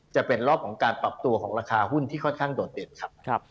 จะเป็นรอบของการปรับตัวของราคาหุ้นที่ค่อนข้างโดดเด่นครับ